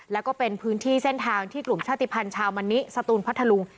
แล้วก็เป็นพื้นที่เส้นทางที่กลุ่มชาติภัณฑ์ชาวมะนิสตูนพัทธลุง